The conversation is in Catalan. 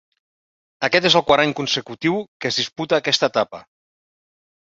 Aquest és el quart any consecutiu que es disputa aquesta etapa.